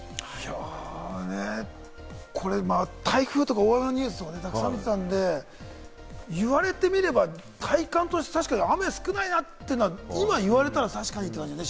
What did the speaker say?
台風とか大雨のニュースをたくさん見てたので、言われてみれば、体感として確かに雨少ないなというのは、今言われたら確かにという感じだよね。